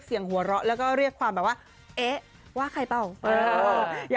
คือใบเฟิร์นเขาเป็นคนที่อยู่กับใครก็ได้ค่ะแล้วก็ตลกด้วย